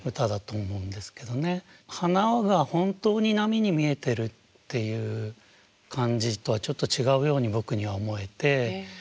花が本当に波に見えてるっていう感じとはちょっと違うように僕には思えて。